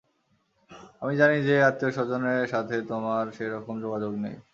আমি জানি যে, আত্মীয়স্বজনদের সাথে তোমার সেরকম যোগাযোগ নেই।